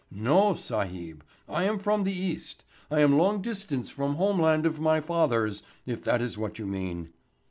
"No, sahib, I am from the East. I am long distance from home land of my fathers, if that is what you mean."